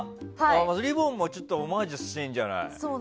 リボンもちょっとオマージュしてるんじゃない？